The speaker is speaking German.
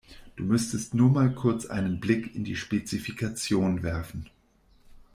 Du müsstest nur mal kurz einen Blick in die Spezifikation werfen.